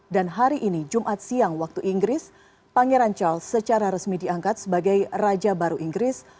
dan hari ini jumat siang waktu inggris pangeran charles secara resmi diangkat sebagai raja baru inggris